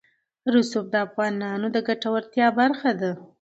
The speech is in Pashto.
رسوب د افغانانو د ګټورتیا برخه ده.